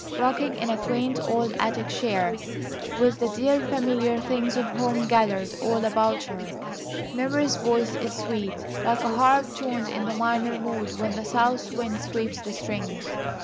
Rocking in a quaint old attic chair, with the dear familiar things of home gathered all about her, Memory's voice is sweet, like a harp tuned in the minor mode when the south wind sweeps the strings.